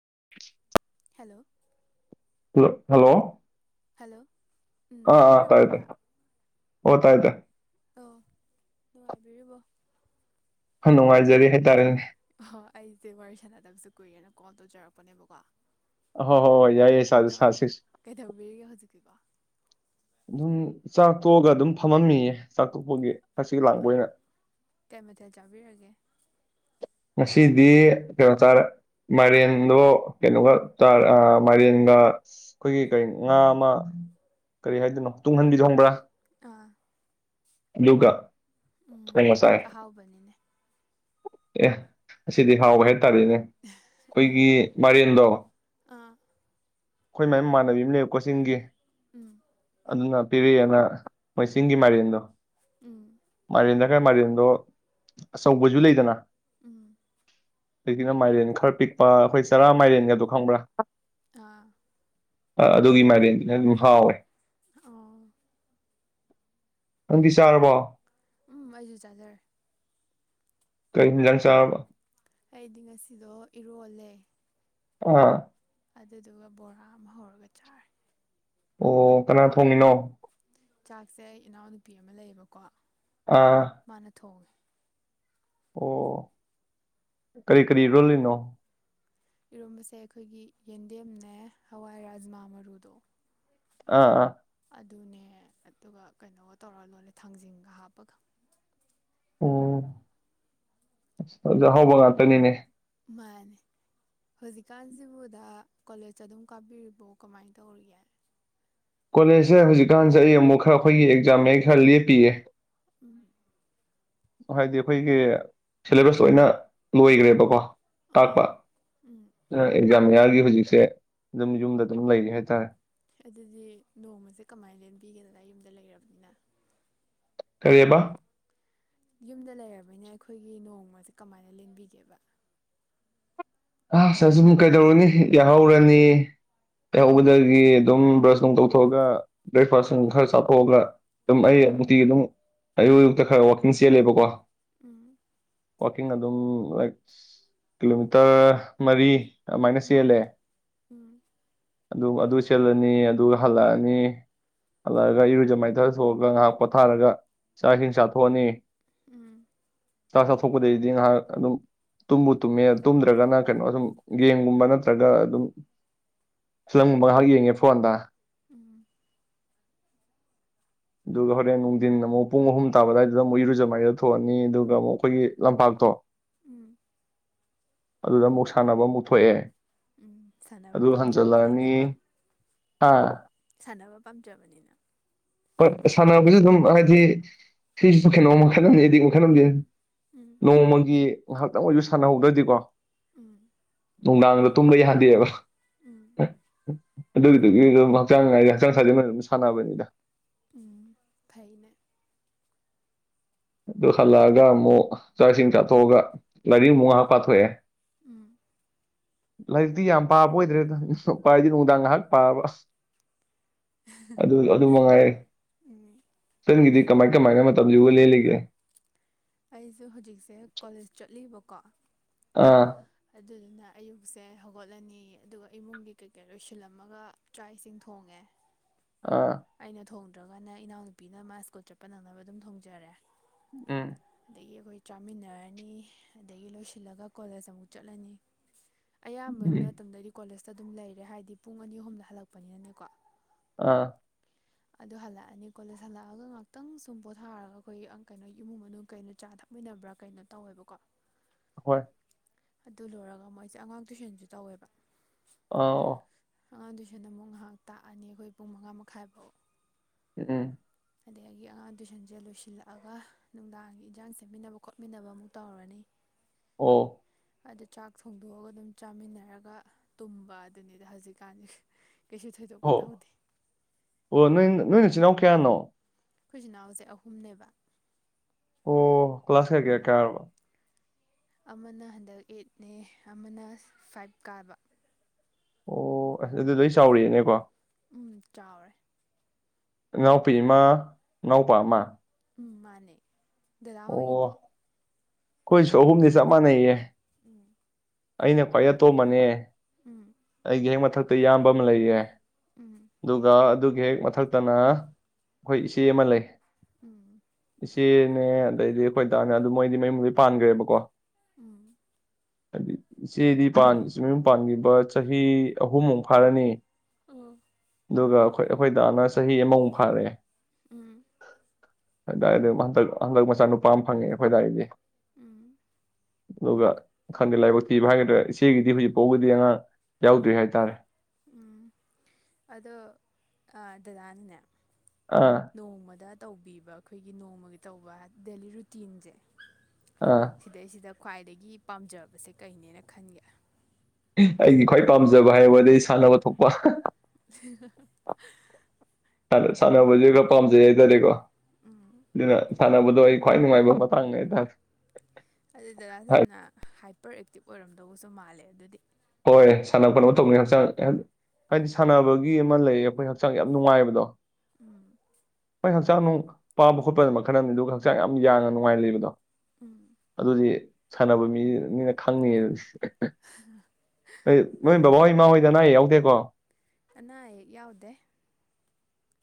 [inaudible] Hello hello hello hello ꯎꯝ ꯑꯥ ꯑꯥ ꯇꯥꯏꯑꯦ ꯇꯥꯕꯤꯔꯕꯣꯗ ꯇꯥꯏꯑꯦ ꯑꯣꯠ ꯇꯥꯏꯑꯦ ꯇꯥꯏꯑꯦ ꯑꯣ ꯅꯨꯡꯉꯥꯏꯕꯤꯔꯤꯕꯣ ꯍꯪ ꯅꯨꯡꯉꯥꯏꯖꯔꯤ ꯍꯥꯏꯇꯥꯔꯦꯅꯦ ꯑꯍꯥ ꯑꯩꯖꯦ ꯋꯥꯔꯤ ꯁꯥꯟꯅꯗꯕꯁꯨ ꯀꯨꯏꯔꯦꯅ ꯀꯣꯜ ꯇꯧꯖꯔꯛꯄꯅꯦꯕꯀꯣ ꯑꯍꯣ ꯍꯣ ꯍꯣꯏ ꯌꯥꯏ ꯌꯥꯏ ꯁꯥꯁꯤ ꯑꯣ ꯁꯥꯁꯤꯛ ꯀꯩꯗꯧꯕꯤꯔꯤꯒꯦ ꯍꯧꯖꯤꯛꯀꯤꯀꯣ ꯅꯨꯡ ꯆꯥꯛ ꯇꯣꯛꯑꯒ ꯑꯗꯨꯝ ꯐꯝꯃꯝꯃꯤꯌꯦ ꯆꯥꯛ ꯇꯣꯛꯄꯒꯤ ꯍꯛꯆꯤ ꯂꯥꯡꯕ ꯑꯥ ꯑꯣꯏꯅ ꯀꯩꯃꯊꯦꯜ ꯆꯥꯕꯤꯔꯒꯦ ꯉꯁꯤꯗꯤ ꯀꯩꯅꯣ ꯆꯥꯔꯦ ꯃꯥꯏꯔꯦꯟꯗꯣ ꯀꯩꯅꯣꯒ ꯆꯥꯔꯦ ꯑꯥ ꯃꯥꯏꯔꯦꯟꯒ ꯑꯈꯣꯏꯒꯤ ꯀꯔꯤ ꯉꯥ ꯑꯃ ꯀꯔꯤꯍꯥꯏꯗꯣꯏꯅꯣ ꯇꯨꯡꯍꯟꯕꯤꯗꯣ ꯈꯪꯕ꯭ꯔꯥ ꯑꯥ ꯂꯨꯒꯥ ꯑꯨꯝ ꯑꯍꯥꯎꯕꯅꯤꯅꯦ ꯑꯦ ꯑꯁꯤꯗꯤ ꯍꯥꯎꯑꯦꯍꯥꯏ ꯇꯔꯦꯅꯦ ꯑꯥ ꯈꯣꯏꯒꯤ ꯃꯔꯦꯟꯗꯣ ꯑꯥ ꯑꯈꯣꯏ ꯃꯥꯏ ꯃꯃꯥꯟꯅꯕꯤ ꯑꯃ ꯂꯩꯑ ꯀꯣ ꯆꯤꯡꯒꯤ ꯑꯨꯝ ꯑꯗꯨꯅ ꯄꯤꯔꯦꯅ ꯃꯣꯏ ꯆꯤꯡꯒꯤ ꯃꯥꯏꯔꯦꯟꯗꯣ ꯎꯝ ꯃꯥꯏꯔꯦꯜꯂ ꯈ꯭ꯔ ꯃꯥꯏꯔꯦꯟꯗꯣ ꯑꯆꯧꯕꯖꯨ ꯂꯩꯗꯅ ꯑꯨꯝ ꯗꯒꯤꯅ ꯃꯥꯏꯔꯦꯟ ꯈ꯭ꯔ ꯄꯤꯛꯄ ꯑꯈꯣꯏ ꯆꯔꯥ ꯃꯥꯏꯔꯦꯟꯒꯗꯣ ꯈꯪꯕ꯭ꯔꯥ ꯑꯥ [inaudible] ꯑꯥ ꯑꯗꯨꯒꯤ ꯃꯥꯏꯦꯟꯗꯨꯅꯦ ꯑꯗꯨꯝ ꯍꯥꯎꯋꯦ ꯑꯥ ꯑꯪꯗꯤ ꯆꯥꯔꯕꯣ ꯑꯨꯝ ꯑꯩꯖꯨ ꯆꯥꯖꯔꯦ ꯀꯩ ꯍꯤꯟꯖꯥꯡ ꯆꯥꯔꯕ ꯑꯩꯗꯤ ꯉꯁꯤꯗꯣ ꯏꯔꯣꯜꯂꯦ ꯑꯥ ꯑꯗꯨꯗꯨꯒ ꯕꯣꯔꯥ ꯑꯃ ꯍꯧꯔꯒ ꯆꯥꯔꯦ ꯑꯣ ꯀꯅꯥ ꯊꯣꯡꯉꯤꯅꯣ ꯆꯥꯛꯁꯦ ꯑꯩ ꯏꯅꯥꯎꯅꯨꯄꯤ ꯑꯃ ꯂꯩꯑꯕꯀꯣ ꯑꯥ ꯃꯥꯅ ꯊꯣꯡꯉꯦ ꯑꯣ ꯀꯔꯤ ꯀꯔꯤ ꯏꯔꯣꯜꯂꯤꯅꯣ ꯏꯔꯣꯝꯕꯁꯦ ꯑꯩꯈꯣꯏꯒꯤ ꯌꯦꯟꯗꯦꯝꯅꯦ ꯍꯋꯥꯏ ꯔꯥ꯭ꯖꯃꯥ ꯃꯔꯨꯗꯣ ꯑꯥ ꯑꯥ ꯑꯗꯨꯅꯦ ꯑꯗꯨꯒ ꯀꯩꯅꯣꯒ ꯇꯧꯔ ꯂꯣꯜꯂꯦ ꯊꯥꯡꯖꯤꯡꯒ ꯍꯥꯞꯄꯒ ꯑꯨꯝ ꯑ [inaudible] ꯑꯍꯥꯎꯕ ꯉꯥꯛꯇꯅꯤꯅꯦ ꯃꯥꯅꯦ ꯍꯧꯖꯤꯛꯀꯥꯟꯖꯤꯕꯨ ꯗꯥ ꯀꯣꯂꯦꯖ ꯑꯗꯨꯝ ꯀꯥꯕꯤꯔꯤꯕꯣ ꯀꯃꯥꯏ ꯇꯧꯔꯤꯒꯦ ꯀꯣꯂꯦꯖꯁꯦ ꯍꯧꯖꯤꯛꯀꯥꯟꯖꯦ ꯑꯩ ꯑꯃꯨꯛ ꯈꯥ ꯑꯈꯣꯏꯒꯤ ꯑꯦꯛꯖꯥꯝ ꯃꯌꯥ ꯈꯥ ꯂꯦꯞꯄꯤꯌꯦ꯫ [inaudible] ꯍꯥꯏꯗꯤ ꯑꯈꯣꯏꯒꯤ ꯁꯦꯂꯦꯕ꯭ꯁ ꯂꯣꯏꯅ ꯂꯣꯏꯒ꯭ꯔꯦꯕꯀꯣ꯫ ꯑꯥ ꯇꯥꯛꯄ ꯎꯝ ꯑꯗꯨꯅ ꯑꯦꯛꯖꯥꯝ ꯃꯌꯥ ꯑꯩ ꯍꯧꯖꯤꯛꯁꯦ ꯑꯗꯨꯝ ꯌꯨꯝꯗ ꯑꯗꯨꯝ ꯂꯩꯔꯤ ꯍꯥꯏꯇꯥꯔꯦ꯫ ꯑꯗꯨꯗꯤ ꯅꯣꯡꯃꯁꯦ ꯀꯃꯥꯏꯅ ꯂꯦꯟꯕꯤꯒꯦꯗꯅ ꯌꯨꯝꯗ ꯂꯩꯔꯕꯅꯤꯅ? ꯀꯔꯤꯕ? ꯌꯨꯝꯗ ꯂꯩꯔꯕꯅꯤꯅ ꯑꯩꯈꯣꯏꯒꯤ ꯅꯣꯡꯃꯁꯦ ꯀꯃꯥꯏꯅ ꯂꯦꯡꯕꯤꯒꯦꯕ? ꯑ ꯁꯔꯖꯨ ꯀꯩꯗꯧꯔꯅꯤ ꯌꯥꯍꯧꯔꯅꯤ ꯌꯥꯍꯧꯕꯗꯒꯤ ꯑꯗꯨꯝ ꯕ꯭ꯔꯁ ꯅꯨꯡ ꯇꯧꯊꯣꯛꯑꯒ ꯕ꯭ꯔꯦꯛꯐꯥꯁ ꯅꯨꯪ ꯈꯔ ꯆꯥꯊꯣꯛꯑꯒ ꯑꯗꯨꯝ ꯑꯩ ꯅꯨꯡꯇꯤꯒꯤ ꯑꯗꯨꯝ ꯑꯌꯨꯛ- ꯑꯌꯨꯛꯇ ꯈꯔ ꯋꯥꯛꯀꯤꯡ ꯆꯦꯜꯂꯦꯕꯀꯣ ꯎꯝ꯫ ꯋꯥꯀꯤꯡ ꯑꯗꯨꯝ ꯂꯥꯏꯛ ꯀꯤꯂꯣꯃꯤꯇꯔ ꯃꯔꯤ ꯑꯗꯨꯃꯥꯏꯅꯆꯦꯜ ꯎꯝ ꯂꯦ꯫ ꯎꯝ ꯑꯗꯨ ꯑꯗꯨ ꯆꯦꯜꯂꯅꯤ ꯑꯗꯨꯒ ꯍꯜꯂꯛꯑꯅꯤ, ꯍꯜꯂꯛꯑꯒ ꯏꯔꯨꯖ ꯃꯥꯏꯊ ꯊꯣꯛꯣꯛꯑꯒ ꯉꯥꯏꯍꯥꯛ ꯄꯣꯊꯥꯔꯒ ꯆꯥꯛ ꯏꯁꯤꯡ ꯆꯥꯊꯣꯛꯑꯅꯤ ꯎꯝ꯫ ꯆꯥꯛ ꯆꯥꯊꯣꯛꯄꯗꯩꯩꯗꯤ ꯉꯥꯏꯍꯥꯛ ꯑꯗꯨꯝ ꯇꯨꯝꯕꯨ ꯇꯨꯝꯃꯦ ꯇꯨꯝꯗ꯭ꯔꯒꯅ ꯀꯩꯅꯣ ꯑꯗꯨꯝ ꯒꯦꯝꯒꯨꯝꯕ ꯅꯠꯇ꯭ꯔꯒ ꯑꯗꯨꯝ ꯐꯤꯂꯝꯒꯨꯝꯕ ꯉꯥꯏꯍꯥꯛ ꯌꯦꯡꯉꯦ ꯐꯣꯟꯗ ꯫ ꯎꯝ꯫ ꯑꯗꯨꯒ ꯍꯣꯔꯦꯟ ꯅꯨꯡꯗꯤꯟ ꯑꯃꯨꯛ ꯄꯨꯡ ꯑꯍꯨꯝ ꯇꯥꯕ ꯑꯗꯨꯋꯥꯏꯗꯨꯗ ꯑꯃꯨꯛ ꯏꯔꯨꯖꯃꯥꯏꯗ ꯊꯣꯛꯑꯅꯤ ꯑꯗꯨꯒ ꯑꯃꯨꯛ ꯑꯩꯈꯣꯏꯒꯤ ꯂꯝꯄꯥꯛꯇꯣ ꯎꯝ ꯑꯗꯨꯗ ꯑꯃꯨꯛ ꯁꯥꯟꯅꯕ ꯑꯃꯨꯛ ꯊꯣꯛꯑꯦ ꯎꯝ ꯁꯥꯟꯅꯕ ꯑꯗꯨ ꯍꯟꯖꯜꯂꯛꯑꯅꯤ ꯄꯥꯝꯖꯕꯅꯤꯅꯀꯣ ꯍꯥ ꯁꯥꯟꯅꯕ ꯄꯥꯝꯖꯕꯅꯤꯅ ꯍ ꯁꯥꯟꯅꯕꯖꯤ ꯑꯗꯨꯝ ꯍꯥꯏꯗꯤ ꯁꯤꯁꯤꯁꯨ ꯀꯩꯅꯣꯝ ꯃꯈꯜꯂꯝꯅꯤ ꯑꯦꯗꯤꯛ ꯃꯈꯜ ꯑꯃꯅꯤ ꯎꯝ ꯅꯣꯡꯃꯒꯤ ꯉꯥꯏꯍꯥꯛꯇꯪ ꯑꯣꯏꯁꯨ ꯁꯥꯟꯅꯍꯧꯗ꯭ꯔꯗꯤꯀꯣ ꯎꯝ꯫ ꯅꯨꯡꯗꯥꯡꯗ ꯇꯨꯝꯕ ꯌꯥꯍꯟꯗꯦꯕ꯫ ꯎꯝ [inaudible] ꯑꯗꯨꯗꯨꯒꯤ ꯑꯗꯨꯝ ꯍꯛꯆꯥꯡ ꯉꯥꯏꯗꯤ ꯍꯛꯆꯥꯡ ꯁꯥꯖꯦꯟ ꯑꯗꯨꯝ ꯁꯥꯟꯅꯕꯅꯤꯗ꯫ ꯎꯝ ꯐꯩꯏꯅꯦ꯫ ꯑꯗꯨ ꯍꯜꯂꯛꯑꯒ ꯑꯃꯨꯛ ꯆꯥꯛ ꯏꯁꯤꯡ ꯆꯥꯊꯣꯛꯑꯒ ꯂꯥꯏꯔꯤꯛ ꯑꯃꯨꯛ ꯉꯍꯥꯛ ꯄꯥꯊꯣꯛꯑꯦ ꯎꯝ ꯂꯥꯏꯔꯤꯛꯇꯤ ꯌꯥꯝ ꯄꯥꯕ ꯑꯣꯏꯗ꯭ꯔꯦꯗ ꯄꯥꯗꯤ ꯅꯨꯡꯗꯥꯡ ꯉꯥꯏꯍꯥꯛ ꯄꯥꯕ ꯑꯗꯨ ꯑꯗꯨ ꯃꯉꯥꯏꯔꯦ ꯎꯝ ꯅꯪꯒꯤꯗꯤ꯫ ꯀꯃꯥꯏ- ꯀꯃꯥꯏꯅ ꯃꯇꯝꯖꯤꯕꯨ ꯂꯦꯜꯂꯤꯒꯦ? ꯑꯩꯖꯨ ꯍꯧꯖꯤꯛꯁꯦ ꯀꯣꯂꯦꯖ ꯆꯠꯂꯤꯕ ꯀꯣ ꯑꯥ꯫ ꯑꯗꯨꯗꯨꯅ ꯑꯌꯨꯛꯁꯦ ꯍꯧꯒꯠꯂꯅꯤ ꯑꯗꯨꯒ ꯏꯃꯨꯡꯒꯤ ꯀꯩ- ꯀꯩ ꯂꯣꯏꯁꯤꯜꯂꯝꯃꯒ ꯆꯥꯛ ꯏꯁꯤꯡ ꯊꯣꯡꯉꯦ ꯑꯥ ꯑꯩꯅ ꯊꯣꯡ ꯅꯪꯗ꯭ꯔꯒꯅ ꯏꯅꯥꯎꯅꯨꯄꯤꯅ ꯃꯥ ꯁ꯭ꯀꯨꯜ ꯆꯠꯄ ꯅꯪꯅꯕ ꯑꯗꯨꯝ ꯊꯣꯡꯖꯔꯦ꯫ ꯑꯝ ꯑꯗꯒꯤ ꯑꯩꯈꯣꯏ ꯆꯥꯃꯤꯟꯅꯔꯅꯤ ꯑꯗꯒꯤ ꯂꯣꯏꯁꯤꯜꯂꯒ ꯀꯣꯂꯦꯖ ꯑꯃꯨꯛ ꯆꯠꯂꯅꯤ ꯑꯌꯥꯝꯕ ꯎꯝ ꯃꯇꯝꯗꯗꯤ ꯀꯣꯂꯦꯖ ꯑꯗꯨꯝ ꯂꯩꯔꯦ ꯍꯥꯏꯗꯤ ꯄꯨꯡ ꯑꯅꯤ ꯑꯍꯨꯝꯗ ꯍꯜꯂꯛꯄꯅꯤꯅꯅꯦꯀꯣ ꯑꯥ ꯑꯗꯨ ꯍꯜꯂꯛꯑꯅꯤ ꯀꯣꯂꯦꯖ ꯍꯜꯂꯛꯑꯒ ꯉꯍꯥꯛꯇꯪ ꯁꯨꯝ ꯄꯣꯊꯥꯔꯒ ꯑꯩꯈꯣꯏ ꯑꯡ ꯀꯩꯅꯣ ꯏꯃꯨꯡ ꯃꯅꯨꯡ ꯀꯩꯅꯣ ꯆꯥ ꯊꯛꯃꯤꯟꯅꯕ꯭ꯔꯥ ꯀꯩꯅꯣ ꯇꯧꯋꯦꯕꯀꯣ ꯍꯣꯏ ꯑꯗꯨ ꯂꯣꯏꯔꯒ ꯃꯨꯛ ꯑꯩꯁꯦ ꯑꯉꯥꯡ ꯇꯨꯏꯁꯟꯁꯨ ꯇꯧꯋꯦꯕ ꯑꯧ ꯑꯉꯥꯡ ꯗꯨꯨꯏꯁꯟ ꯑꯃꯨꯛ ꯉꯥꯏꯍꯥꯛ ꯇꯥꯛꯑꯅꯤ ꯑꯩꯈꯣꯏ ꯄꯨꯡ ꯃꯉꯥ ꯃꯈꯥꯏꯐꯥꯎ ꯎꯝ ꯑꯗꯩ ꯑꯩꯒꯤ ꯑꯉꯥꯡ ꯇꯨꯏꯁꯟꯁꯦ ꯂꯣꯏꯁꯤꯜꯂꯛꯑꯒ ꯅꯨꯡꯗꯥꯡꯒꯤ ꯏꯟꯖꯥꯡ ꯁꯦꯝꯃꯤꯟꯅꯕ ꯈꯣꯠꯃꯤꯟꯅꯕ ꯑꯃꯨꯛ ꯇꯧꯔꯅꯤ ꯑꯣ ꯑꯗꯨ ꯆꯥꯛ ꯊꯣꯡꯗꯣꯛꯑꯒ ꯑꯗꯨꯝ ꯆꯥꯃꯤꯟꯅꯔꯒ ꯇꯨꯝꯕ ꯑꯗꯨꯅꯤꯗ ꯍꯧꯖꯤꯛꯀꯥꯟꯖꯦ ꯍꯣ ꯑꯣ ꯅꯪ ꯅꯣꯏ ꯅꯆꯤꯜ ꯅꯅꯥꯎ ꯀꯌꯥꯅꯣ ꯑꯩꯈꯣꯏ ꯏꯆꯤꯟ ꯏꯅꯥꯎꯁꯦ ꯑꯍꯨꯝꯅꯦꯕ ꯑꯣ ꯀ꯭ꯂꯥꯁ ꯀꯌꯥ ꯀꯌꯥ ꯎꯝ ꯀꯥꯔꯕ꯫ ꯑꯃꯅ ꯍꯟꯗꯛ ꯑꯦꯠꯅꯦ ꯑꯃꯅ ꯐꯥꯏꯚ ꯀꯥꯕ꯫ ꯑꯣ ꯑꯁ ꯑꯗꯨꯗꯤ ꯂꯣꯏ ꯆꯥꯎꯔꯛꯑꯦꯅꯦꯀꯣ꯫ ꯎꯝ ꯆꯥꯎꯔꯦ꯫ ꯏꯅꯥꯎꯄꯤ ꯑꯃ ꯏꯅꯥꯎꯄꯥ ꯑꯃ꯫ ꯃꯥꯅꯦ꯫ ꯗꯗꯥ ꯍꯣꯏꯒꯤꯗꯤ꯫ ꯑꯣ ꯑꯩꯈꯣꯏꯁꯨ ꯑꯍꯨꯝꯅꯤ ꯆꯞ ꯃꯥꯟꯅꯩꯌꯦ꯫ ꯎꯝ꯫ ꯑꯩꯅ ꯈ꯭ꯋꯥꯏ ꯑꯇꯣꯝꯕꯅꯦ꯫ ꯎꯝ ꯑꯩꯒꯤ ꯍꯦꯛꯃꯊꯛ ꯇꯥ ꯌꯥꯝꯕ ꯑꯃ ꯂꯩꯌꯦ꯫ ꯎꯝ ꯑꯗꯨꯒ ꯑꯗꯨ ꯒꯤ ꯍꯦꯛ ꯃꯊꯛꯇꯅ ꯑꯩꯈꯣꯏ ꯏꯆꯦ ꯑꯃ ꯂꯩ꯫ ꯎꯝ꯫ ꯆꯦꯅꯦ ꯑꯗꯩꯗꯤ ꯑꯩꯈꯣꯏ ꯗꯥꯅꯦ ꯑꯗꯨ ꯃꯣꯏꯗꯤ ꯃꯌꯨꯝ ꯄꯥꯟꯒꯔꯦꯕꯀꯣ꯫ ꯎꯝ꯫ ꯍꯥꯏꯗꯤ ꯏꯆꯦꯗꯤ ꯄꯥꯟ ꯃꯌꯨꯝ ꯄꯥꯟꯒꯤꯕ ꯆꯍꯤ ꯑꯍꯨꯝꯃꯨꯛ ꯐꯥꯔꯅꯤ꯫ ꯑꯥ꯫ ꯑꯗꯨꯒ ꯑꯩꯈꯣꯏ ꯑꯩꯈꯣꯏꯗꯥꯅ ꯆꯍꯤ ꯑꯃꯃꯨꯛ ꯐꯥꯔꯛꯑꯦ꯫ ꯎꯝ [unintelligible] ꯍꯟꯗꯛ ꯃꯆꯥ ꯅꯨꯄꯥ ꯑꯃ ꯐꯪꯉꯦ ꯑꯩꯈꯣꯏꯗꯥꯒꯤꯗꯤ꯫ ꯎꯝ꯫ ꯑꯗꯨꯒ ꯈꯪꯗꯦ ꯂꯥꯏꯕꯛ ꯊꯤꯕ ꯍꯥꯏꯒꯗ꯭ꯔꯥ ꯏꯆꯦꯒꯤꯗꯤ ꯍꯧꯖꯤꯛꯐꯥꯎꯒꯤꯗꯤ ꯑꯉꯥꯡ ꯌꯥꯎꯗ꯭ꯔꯤ ꯍꯥꯏꯇꯥꯔꯦ꯫ ꯎꯝ ꯑꯗꯣ ꯗꯗꯥꯅꯅꯦ ꯑꯥ ꯅꯣꯡꯃꯗ꯫ ꯇꯧꯕꯤꯕ ꯑꯩꯈꯣꯏꯒꯤ ꯅꯣꯡꯃꯒꯤ ꯇꯧꯕ ꯗꯦꯂꯤ ꯔꯨꯇꯤꯟꯖꯦ꯫ ꯑꯥ ꯁꯤꯗꯩ ꯁꯤꯗ ꯈ꯭ꯋꯥꯏꯗꯒꯤ ꯄꯥꯝꯖꯕꯁꯦ ꯀꯩꯅꯦꯅ ꯈꯟꯒꯦ꯫ ꯑꯩꯒꯤ ꯈ꯭ꯋꯥꯏ ꯄꯥꯝꯖꯕ ꯍꯥꯏꯌꯣꯗꯤ ꯁꯥꯟꯅꯕ ꯊꯣꯛꯄ꯫ [inaudible] ꯁꯟꯅ ꯁꯥꯟꯅꯕꯁꯦ ꯈ ꯄꯥꯝꯖꯩ ꯍꯥꯏꯇꯥꯔꯦꯀꯣ꯫ ꯗꯨꯅ ꯁꯥꯟꯅꯕ ꯑꯗꯣ ꯑꯩ ꯈ꯭ꯋꯥꯏ ꯅꯨꯡꯉꯥꯏꯕ ꯃꯇꯥꯡꯅꯦ ꯍꯥꯏꯇꯥꯔꯦ꯫ ꯑꯗꯨ ꯗꯗꯥꯁꯦ ꯌꯥꯝꯅ ꯍꯥꯏ ꯄ꯭ꯔꯣꯑꯦꯛꯇꯤꯞ ꯑꯣꯏꯔꯝꯗꯧꯕꯁꯨ ꯃꯥꯜꯂꯦ ꯑꯗꯨꯗꯤ꯫ ꯍꯣꯏ ꯁꯥꯟꯅ ꯈꯣꯠꯅꯕ ꯇꯧꯅꯤꯅ ꯍꯛꯆꯥꯡ ꯍꯥꯏꯗꯤ ꯁꯥꯟꯅꯕꯒꯤ ꯑꯃ ꯂꯩꯌꯦ ꯑꯩꯈꯣꯏ ꯍꯛꯆꯥꯡ ꯌꯥꯝ ꯅꯨꯡꯉꯥꯏꯕꯗꯣ ꯎꯝ꯫ ꯍꯣꯏ ꯍꯛꯆꯥꯡ ꯅꯨꯡ ꯄꯥꯕ ꯈꯣꯠꯄꯅ ꯃꯈꯜ ꯑꯃꯅꯤ ꯑꯗꯨꯒ ꯍꯛꯆꯥꯡ ꯌꯥꯝ ꯌꯥꯡꯅ ꯅꯨꯡꯉꯥꯏꯅ ꯂꯩꯕꯗꯣ꯫ ꯎꯝ ꯑꯗꯨꯗꯤ ꯁꯥꯟꯅꯕ ꯃꯤ ꯃꯤꯅ ꯈꯪꯅꯤ ꯍꯥꯏꯗꯨꯅꯤ꯫ ꯑ [inaudible] ꯅꯣꯏ ꯅꯣꯏ ꯕꯕꯥꯍꯣꯏ ꯏꯃꯥ ꯍꯣꯏꯗꯤ ꯑꯅ ꯑꯌꯦꯛ ꯌꯥꯎꯗꯦꯀꯣ꯫ ꯑꯅꯥꯌꯦꯛ ꯌꯥꯎꯗꯦ꯫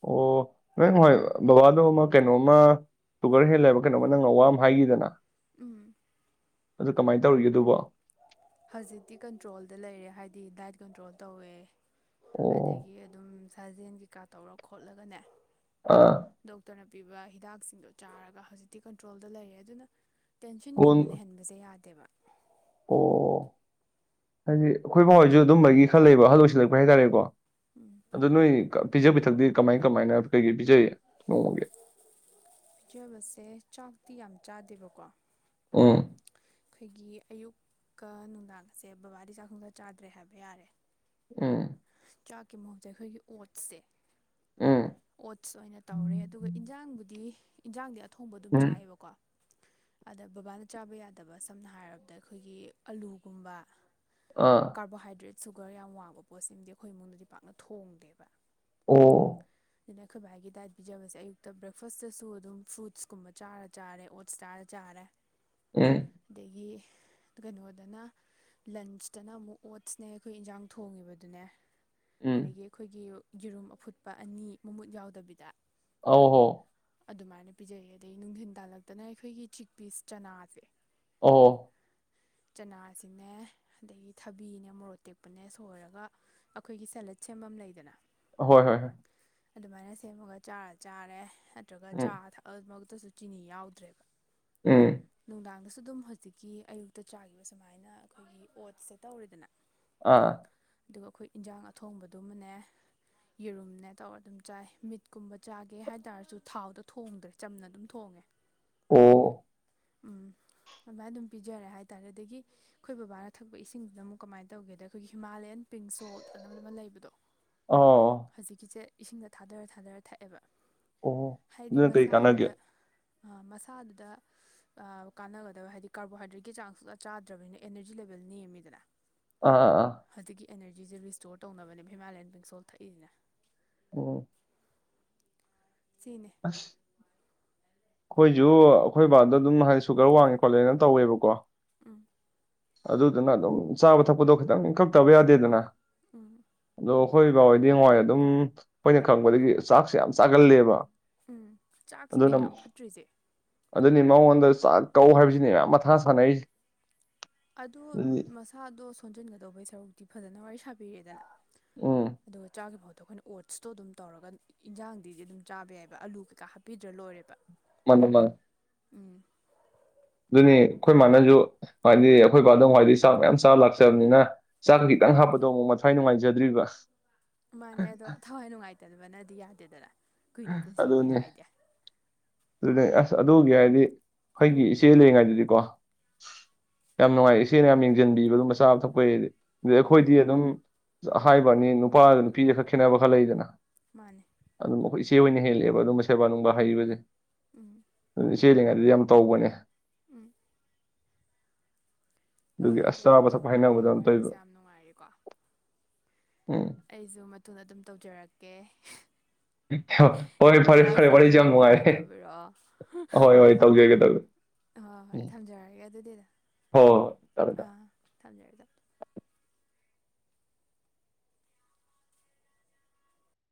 ꯑꯣ ꯅꯣꯏ ꯍꯣꯏ ꯕꯕꯥꯗꯣ ꯑꯃ ꯀꯩꯅꯣꯝꯃ ꯁꯨꯒꯔ ꯍꯦꯜꯂꯦꯕ ꯀꯩꯅꯣꯝꯃ ꯅꯪ ꯑꯋꯥ ꯑꯃ ꯍꯥꯏꯈꯤꯗꯅ꯫ ꯎꯝ ꯑꯗꯨ ꯀꯃꯥꯏꯅ ꯇꯧꯔꯤꯒꯦ ꯑꯗꯨꯕꯣ꯫ ꯍꯧꯖꯤꯛꯇꯤ ꯀꯟꯇ꯭ꯔꯣꯜꯗ ꯂꯩꯔꯦ ꯍꯥꯏꯗꯤ ꯗꯥꯏꯠ ꯀꯟꯇ꯭ꯔꯣꯜ ꯇꯧꯋꯦ꯫ ꯑꯣ ꯑꯗꯒꯤ ꯑꯗꯨꯝ ꯁꯥꯖꯦꯟ ꯀꯩꯀꯥ ꯇꯧꯔ ꯈꯣꯠꯂꯒꯅꯦ꯫ ꯑꯥ ꯗꯣꯛꯇꯔꯅ ꯄꯤꯕ ꯍꯤꯗꯥꯛꯁꯤꯡꯗꯣ ꯆꯥꯔꯒ ꯍꯧꯖꯤꯛꯇꯤ ꯀꯟꯇ꯭ꯔꯣꯜꯗ ꯂꯩꯔꯦ ꯑꯗꯨꯅ ꯑꯣ ꯇꯦꯟꯁꯟꯒꯨꯝꯕ ꯂꯩꯍꯟꯕꯁꯦ ꯌꯥꯗꯦ꯫ ꯇꯦꯕ ꯑꯣ ꯍꯥꯏꯗꯤ ꯑꯈꯣꯏ ꯕꯥ ꯍꯣꯏꯁꯨ ꯑꯗꯨꯝꯕꯒꯤ ꯈꯔ ꯂꯩꯕ ꯑꯍꯜ ꯑꯣꯏꯁꯤꯜꯂꯛꯄꯩ ꯍꯥꯏꯇꯥꯔꯦꯀꯣ꯫ ꯎꯝ ꯑꯗꯨ ꯅꯣꯏ ꯀ ꯄꯤꯖ ꯄꯊꯛꯇꯤ ꯀꯃꯥꯏ ꯀꯃꯥꯏꯅ ꯀꯩꯀ ꯄꯤꯖꯩ ꯅꯣꯡꯃꯒꯤ꯫ ꯄꯤꯖꯕꯁꯦ ꯆꯥꯛꯇꯤ ꯌꯥꯝ ꯆꯥꯗꯦꯕꯀꯣ ꯑꯣ ꯑꯩꯈꯣꯏꯒꯤ ꯑꯌꯨꯛꯀ ꯅꯨꯡꯗꯥꯡꯒꯁꯦ ꯕꯕꯥꯗꯤ ꯆꯥꯛ ꯁꯨꯡꯆꯥ ꯆꯥꯗ꯭ꯔꯦ ꯍꯥꯏꯕ ꯌꯥꯔꯦ꯫ ꯎꯝ ꯆꯥꯛꯀꯤ ꯃꯍꯨꯠꯁꯦ ꯑꯈꯣꯏꯒꯤ ꯑꯣꯠꯁꯦ ꯎꯝ ꯑꯣꯠꯁ ꯑꯣꯏꯅ ꯇꯧꯔꯦ ꯑꯗꯨꯒ ꯏꯟꯖꯥꯡꯕꯨꯗꯤ ꯏꯟꯖꯥꯡꯗꯤ ꯑꯊꯣꯡꯕ ꯑꯗꯨꯝ ꯎꯝ ꯆꯥꯏꯑꯕꯀꯣ ꯑꯗ ꯕꯕꯥꯅ ꯆꯥꯕ ꯌꯥꯗꯕ ꯁꯝꯅ ꯍꯥꯏꯔꯕꯗ ꯑꯩꯈꯣꯏꯒꯤ ꯑꯂꯨꯒꯨꯝꯕ ꯑꯥ ꯀꯔꯕꯣꯍꯥꯏꯗ꯭ꯔꯦꯠ ꯁꯨꯒꯔ ꯌꯥꯝ ꯋꯥꯡꯕ ꯄꯣꯠꯁꯤꯃꯗꯤ ꯑꯩꯈꯣꯏ ꯏꯃꯨꯡꯗꯗꯤ ꯄꯥꯛꯅ ꯊꯣꯡꯗꯦꯕ ꯑꯣ ꯑꯗꯨꯅ ꯑꯩꯈꯣꯏ ꯕꯥꯏꯒꯤ ꯗꯥꯏꯠ ꯄꯤꯖꯕꯁꯦ ꯑꯌꯨꯛꯇ ꯕ꯭ꯔꯦꯛꯐꯁꯇꯁꯨ ꯑꯗꯨꯝ ꯐ꯭ꯔꯨꯠꯁꯀꯨꯝꯕ ꯆꯥꯔ ꯆꯥꯔꯦ ꯑꯣꯠꯁ ꯆꯥꯔ ꯆꯥꯔꯦ ꯑꯗꯒꯤ ꯀꯩꯅꯣꯗꯅ ꯂꯟꯁꯇꯅ ꯑꯃꯨꯛ ꯑꯣꯠꯁꯅꯦ ꯑꯩꯈꯣꯏ ꯏꯟꯖꯥꯡ ꯊꯣꯡꯉꯤꯕ ꯑꯗꯨꯅꯦ ꯑꯗꯒꯤ ꯑꯩꯈꯣꯏꯒꯤ ꯌꯦꯔꯨꯝ ꯑꯐꯨꯠꯄ ꯑꯅꯤ ꯃꯃꯨꯠ ꯌꯥꯎꯗꯕꯤꯗ ꯑ ꯍꯣ ꯑꯗꯨꯃꯥꯏꯅ ꯄꯤꯖꯔꯤ ꯑꯗꯩꯩꯒꯤ ꯅꯨꯡꯊꯤꯟ ꯇꯥꯜꯂꯛꯇꯅ ꯑꯩꯈꯣꯏꯒꯤ ꯆꯤꯛ ꯄꯤꯁ ꯆꯅꯥꯁꯦ ꯑꯣ ꯆꯅꯥꯁꯤꯅꯦ ꯑꯗꯒꯤ ꯊꯕꯤꯅꯦ ꯃꯣꯔꯣꯛ ꯇꯦꯛꯄꯅꯦ ꯁꯣꯏꯔꯒ ꯑꯩꯈꯣꯏꯒꯤ ꯁꯦꯂꯦꯠ ꯁꯦꯝꯕꯃ ꯂꯩꯗꯅ ꯍꯣꯏ ꯍꯣꯏ ꯍꯣꯏ ꯑꯗꯨꯃꯥꯏꯅ ꯁꯦꯝꯃꯒ ꯆꯥꯔ ꯆꯥꯔꯦ ꯅꯠꯇ꯭ꯔꯒ ꯆꯥ ꯊꯛꯑꯃꯛꯇꯁꯨ ꯆꯤꯅꯤ ꯌꯥꯎꯗ꯭ꯔꯦꯕ ꯅꯨꯡꯗꯥꯡꯗꯁꯨ ꯑꯗꯨꯝ ꯍꯧꯖꯤꯛꯀꯤ ꯑꯌꯨꯛ ꯇ ꯆꯥꯈꯤꯕ ꯁꯨꯃꯥꯏꯅ ꯑꯩꯈꯣꯏꯒꯤ ꯑꯣꯠꯁꯦ ꯇꯧꯔꯦꯗꯅ ꯑꯗꯨꯒ ꯑꯈꯣꯏ ꯏꯟꯁꯥꯡ ꯑꯊꯣꯡꯕꯗꯨꯃꯅꯦ ꯌꯦꯔꯨꯝꯅꯦ ꯇꯧꯔ ꯑꯗꯨꯝ ꯆꯥꯏ ꯃꯤꯠꯀꯨꯝꯕ ꯆꯥꯒꯦ ꯍꯥꯏꯇꯥꯔꯁꯨ ꯊꯥꯎꯗꯣ ꯊꯣꯡꯗ꯭ꯔꯦ ꯆꯝꯅ ꯑꯗꯨꯝ ꯊꯣꯡꯉꯦ ꯑꯣ ꯎꯝ ꯑꯗꯨꯃꯥꯏꯅ ꯑꯗꯨꯝ ꯄꯤꯖꯔꯦ ꯍꯥꯏ ꯇꯔꯦ ꯑꯗꯒꯤ ꯑꯩꯈꯣꯏ ꯕꯕꯥꯅ ꯊꯛꯄ ꯏꯁꯤꯡꯗꯨꯅ ꯑꯃꯨꯛ ꯀꯃꯥꯏꯅ ꯇꯧꯒꯦꯗ ꯑꯩꯈꯣꯏꯒꯤ ꯍꯤꯃꯥꯂꯌꯥꯟ ꯄꯤꯡ ꯁꯣꯜꯠ ꯑꯅꯕꯗꯨ ꯑꯃ ꯂꯩꯕꯗꯣ ꯑꯣ ꯍꯧꯖꯤꯛꯀꯤꯁꯦ ꯏꯁꯤꯡꯗ ꯊꯥꯗꯔ ꯊꯥꯗꯔ ꯊꯛꯑꯦꯕ ꯍꯥꯏꯗꯤ ꯀꯩ ꯀꯥꯟꯅꯒꯦ? ꯃꯁꯥꯗꯨꯗ ꯑꯥ ꯃꯁꯥꯗꯨꯗ ꯑꯥ ꯀꯥꯟꯅꯒꯗꯕ ꯍꯥꯏꯗꯤ ꯀꯥꯔꯕꯣꯍꯥꯏꯗ꯭ꯔꯦꯠꯀꯤ ꯆꯥꯡ ꯁꯨꯖꯥ ꯆꯥꯗ꯭ꯔꯕꯅꯤꯅ ꯑꯦꯅꯔꯖꯤ ꯂꯦꯚꯦꯜ ꯅꯦꯝꯃꯤꯗꯅ ꯑꯥ ꯑꯥ ꯑꯥ ꯍꯧꯖꯤꯁꯦ ꯔꯤꯁꯇꯣꯔ ꯇꯧꯅꯕꯅꯦꯕ ꯍꯤꯃꯥꯂꯌꯥꯟ ꯄꯤꯡꯁꯣꯜ ꯊꯛꯏꯁꯤꯅ ꯑꯣ ꯁꯤꯅꯦ ꯑꯩꯈꯣꯏꯁꯨ ꯑꯩꯈꯣꯏ ꯕꯥꯗꯣ ꯑꯗꯨꯝ ꯍꯥꯏ ꯁꯨꯒꯔ ꯋꯥꯡꯉꯦ ꯈꯣꯠꯂꯦꯅ ꯇꯧꯋꯦꯕꯀꯣ ꯎꯝ ꯑꯗꯨꯗꯨꯅ ꯑꯗꯨꯝ ꯆꯥꯕ ꯊꯛꯄꯗꯣ ꯈꯤꯇꯪ ꯏꯀꯛꯇꯕ ꯌꯥꯗꯦꯗꯅ ꯎꯝ ꯑꯗꯣ ꯑꯩꯈꯣꯏ ꯕꯥꯍꯣꯏꯗꯤ ꯅꯨꯡꯋꯥꯏ ꯑꯗꯨꯝ ꯑꯩꯈꯣꯏꯅ ꯈꯪꯕꯗꯒꯤ ꯆꯥꯛꯁꯦ ꯌꯥꯝ ꯆꯥꯒꯜꯂꯦꯕ ꯎꯝ ꯆꯥꯛꯁꯤꯅꯦ ꯑꯗꯨꯅ ꯌꯥꯝ ꯐꯠꯇ꯭ꯔꯤꯁꯦ ꯑꯗꯨꯅꯤ ꯃꯉꯣꯟꯗ ꯆꯥꯛ ꯀꯧ ꯍꯥꯏꯕꯁꯤꯅꯦ ꯃꯌꯥꯝ ꯃꯊꯥ ꯁꯥꯟꯅꯔꯤꯁꯦ ꯑꯗꯨ ꯑꯗꯨꯗꯤ ꯃꯁꯥꯗꯣ ꯈꯣꯟꯖꯤꯟꯒꯗꯧꯕꯩ ꯁꯔꯨꯛꯇꯤ ꯐꯖꯅ ꯋꯥꯔꯤ ꯁꯥꯕꯤꯔꯦꯗꯅ ꯎꯝ, ꯑꯗꯨꯒ ꯆꯥꯒꯤ ꯃꯍꯨꯠ ꯑꯗꯣ ꯑꯩꯈꯣꯏꯅ ꯑꯣꯠꯁꯇꯣ ꯑꯗꯨꯝ ꯇꯧꯔꯒ ꯏꯟꯖꯥꯡꯗꯤꯗꯤ ꯑꯗꯨꯝ ꯆꯥꯕ ꯌꯥꯏꯑꯕ ꯑꯂꯨ ꯀꯩꯀꯥ ꯍꯥꯞꯄꯤꯗ꯭ꯔ ꯂꯣꯏꯔꯦꯕ ꯃꯥꯅꯦ ꯃꯥꯅꯦ ꯎꯝ ꯑꯗꯨꯅꯤ ꯑꯩꯈꯣꯏ ꯃꯥꯥꯅꯁꯨ ꯍꯥꯏꯗꯤ ꯑꯩꯈꯣꯏ ꯕꯥꯗꯣ ꯅꯍꯥꯟꯋꯥꯏꯗꯩ ꯆꯥꯛ ꯃꯌꯥꯝ ꯆꯥꯕ ꯂꯥꯛꯆꯕꯅꯤꯅ ꯆꯥꯛ ꯎꯝ ꯈꯤꯇꯪ ꯍꯥꯞꯄꯗꯨ ꯃꯣꯛ ꯃꯊ꯭ꯋꯥꯏ ꯅꯨꯉꯥꯏꯖ ꯆꯗ꯭ꯕꯤꯕ ꯃꯥꯅꯦ ꯑꯗꯣ ꯊꯋꯥꯏ ꯅꯨꯡꯉꯥꯏꯇꯗꯕꯅꯗꯤ ꯌꯥꯗꯦꯗꯅ ꯀꯨꯏꯅ ꯄꯨꯟꯁꯤꯒꯦ ꯑꯗꯨꯅꯦ ꯍꯥꯏꯗꯤ ꯑꯗꯨꯅꯦ ꯑꯁ ꯑ ꯑꯗꯨꯒꯤ ꯍꯥꯏꯗꯤ ꯑꯩꯈꯣꯏꯒꯤ ꯏꯆꯦ ꯂꯩꯔꯤꯉꯩꯗꯗꯤꯀꯣ ꯌꯥꯝ ꯅꯨꯡꯉꯥꯏ ꯏꯆꯦꯅ ꯌꯥꯝ ꯌꯦꯡꯁꯤꯟꯕꯤꯕ ꯑꯗꯨꯝ ꯆꯥꯥꯕ ꯊꯛꯄ ꯗꯩꯗꯤ ꯑꯗꯩ ꯎꯝ ꯑꯩꯈꯣꯏꯗꯤ ꯑꯗꯨꯝ ꯑ ꯍꯥꯏꯕ ꯑꯅꯤ ꯅꯨꯄꯥꯗ ꯅꯨꯄꯤꯁꯦ ꯈꯔ ꯈꯦꯠꯅꯕ ꯈꯔ ꯂꯩꯗꯅ ꯃꯥꯅꯦ ꯑꯗꯨꯝ ꯑꯩꯈꯣꯏ ꯏꯆꯦ ꯍꯣꯏꯅ ꯍꯦꯜꯂꯛꯦꯕ ꯑꯗꯨꯝ ꯁꯦꯕꯥ ꯅꯨꯡꯕꯥ ꯍꯩꯕꯁꯦ ꯎꯝ [unintelligible] ꯆꯦꯜꯂꯤꯉꯩꯗꯗꯤ ꯌꯥꯝ ꯇꯧꯕꯅꯦ ꯎꯝ ꯑꯗꯨꯒꯤ ꯍꯣꯏ ꯑꯁ ꯀꯩꯅꯣ ꯆꯥꯕ ꯊꯛꯄ ꯇꯧꯔꯦꯗꯗꯥ ꯍꯥꯏꯅꯕꯗꯣ ꯋꯥꯔꯤꯁꯦ ꯇꯧꯋꯦꯕ ꯌꯥꯝ ꯅꯨꯡꯉꯥꯏꯔꯤꯀꯣ ꯎꯝ ꯑꯩꯁꯨ ꯃꯇꯨꯡꯗ ꯑꯗꯨꯝ ꯇꯧꯖꯔꯛꯀꯦ ꯍꯣ ꯍꯣꯏ ꯐꯔꯦ ꯐꯔꯦ ꯗꯗꯥꯁꯨ ꯑꯗꯨꯝ ꯋꯥꯔꯤꯁꯦ ꯌꯥꯝ ꯅꯣꯡ ꯐꯥꯗꯣꯛ ꯅꯨꯡꯉꯥꯏꯍꯦ ꯇꯧꯕꯤꯔꯛꯑꯣ ꯍꯣꯏ ꯍꯣꯏ ꯇꯧꯖꯔꯒꯦ ꯇꯧꯖꯦ ꯍꯣꯏ ꯍꯣꯏ ꯎ ꯊꯝꯖꯔꯒꯦ ꯑꯗꯨꯗꯤꯗ ꯍꯣꯏ ꯊꯝꯃꯦ ꯊꯝꯃꯦ ꯊꯝꯖꯔꯒꯦ ꯊꯝꯖꯔꯦ [inaudible]